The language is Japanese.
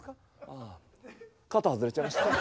肩外れちゃいました。